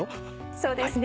そうですね。